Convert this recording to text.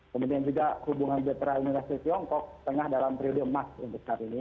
kemudian juga hubungan bilateral imigrasi tiongkok tengah dalam periode emas untuk saat ini